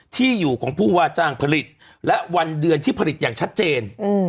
ที่อยู่ของผู้ว่าจ้างผลิตและวันเดือนที่ผลิตอย่างชัดเจน